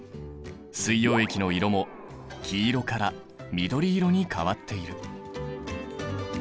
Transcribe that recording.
水溶液の色も黄色から緑色に変わっている。